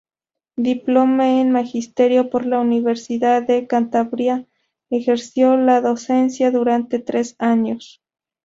Diplomada en Magisterio por la Universidad de Cantabria ejerció la docencia durante tres años.